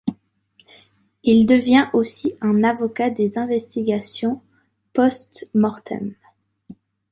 Il devient aussi un avocat des investigations post-mortem.